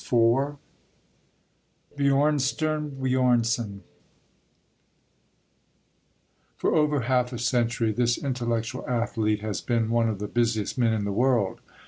IV BJÖRNSTJERNE BJÖRNSON For over half a century this intellectual athlete has been one of the busiest men in the world.